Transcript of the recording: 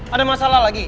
ada masalah lagi